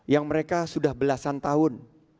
yang mereka sudah belasan tahun